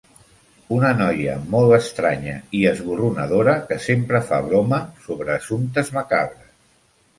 Una noia molt estranya i esborronadora que sempre fa broma sobre assumptes macabres.